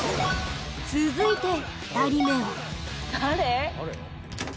続いて２人目は誰？